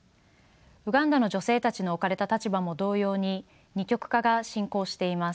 ウガンダの女性たちの置かれた立場も同様に二極化が進行しています。